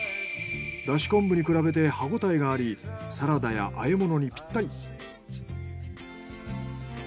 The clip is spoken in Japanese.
だし昆布に比べて歯ごたえがありサラダや和え物にピッタリ。